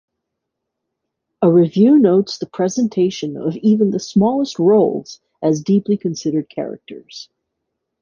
A review notes the "presentation of even the smallest roles as deeply-considered characters".